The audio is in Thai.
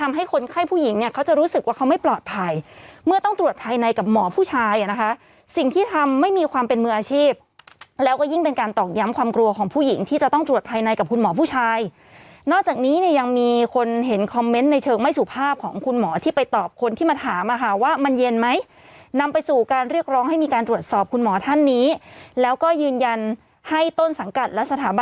มีความเป็นมืออาชีพแล้วก็ยิ่งเป็นการตอบย้ำความกลัวของผู้หญิงที่จะต้องตรวจภายในกับคุณหมอผู้ชายนอกจากนี้เนี่ยยังมีคนเห็นคอมเมนต์ในเชิงไม่สุภาพของคุณหมอที่ไปตอบคนที่มาถามอะค่ะว่ามันเย็นไหมนำไปสู่การเรียกร้องให้มีการตรวจสอบคุณหมอท่านนี้แล้วก็ยืนยันให้ต้นสังกัดและสถาบั